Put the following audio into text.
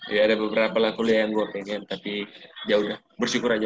iya ada beberapa lah kuliah yang gue pengen tapi jauh ya bersyukur aja